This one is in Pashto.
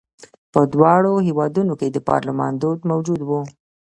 په دواړو هېوادونو کې د پارلمان دود موجود و.